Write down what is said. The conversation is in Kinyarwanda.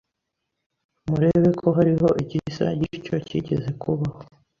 murebe ko hariho igisa gityo cyigeze kubaho